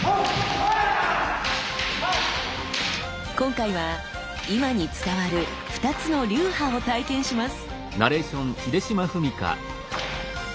今回は今に伝わる２つの流派を体験します。